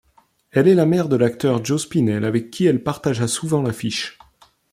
Elle est la mère de l'acteur Joe Spinell avec qui elle partagea souvent l'affiche.